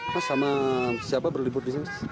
mas sama siapa berlibur bisnis